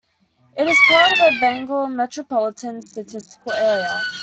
It is part of the Bangor Metropolitan Statistical Area.